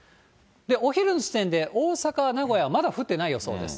お昼の時点で大阪、名古屋、まだ降ってない予想です。